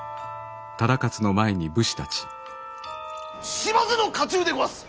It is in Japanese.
島津の家中でごわす。